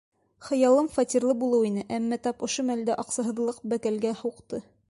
Хыялым фатирлы булыу ине, әммә тап ошо мәлдә аҡсаһыҙлыҡ бәкәлгә һуҡты.